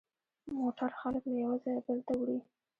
موټر خلک له یوه ځایه بل ته وړي.